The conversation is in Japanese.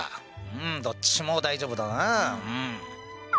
うんどっちも大丈夫だなうん。